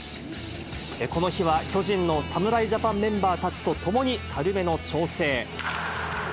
この日は巨人の侍ジャパンメンバーたちと共に軽めの調整。